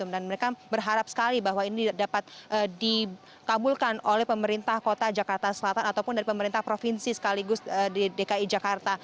dan mereka berharap sekali bahwa ini dapat dikabulkan oleh pemerintah kota jakarta selatan ataupun dari pemerintah provinsi sekaligus di dki jakarta